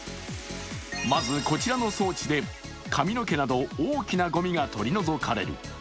まずこちらの装置で髪の毛など大きなごみが取り除かれる。